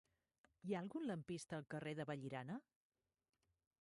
Hi ha algun lampista al carrer de Vallirana?